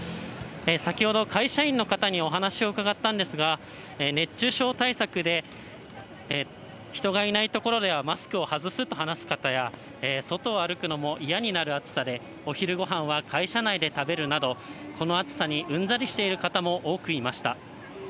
先ほど会社員の方にお話を伺ったんですが、熱中症対策で、人がいない所ではマスクを外すと話す方や、外を歩くのも嫌になる暑さで、お昼ごはんは会社内で食べるなど、この暑さにうんざりしている方も多くいました。